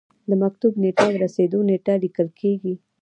د مکتوب نیټه او رسیدو نیټه لیکل کیږي.